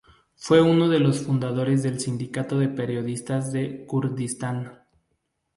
Fue uno de los fundadores del Sindicato de Periodistas de Kurdistán.